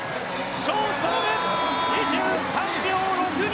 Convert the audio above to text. ショーストロム、２３秒６２！